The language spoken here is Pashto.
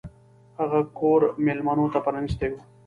هغه کور میلمنو ته پرانیستی و.